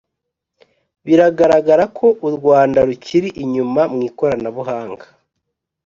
biragaragara ko u Rwanda rukiri inyuma mu ikoranabuhanga